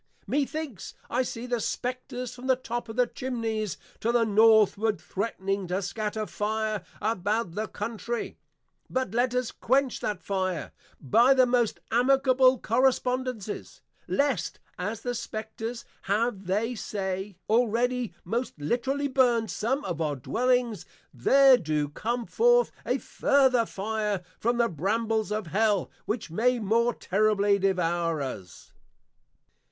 Methinks, I see the Spectres, from the Top of the Chimneys to the Northward, threatning to scatter Fire, about the Countrey; but let us quench that Fire, by the most amicable Correspondencies: Lest, as the Spectres, have, they say, already most Literally burnt some of our Dwellings there do come forth a further Fire from the Brambles of Hell, which may more terribly Devour us.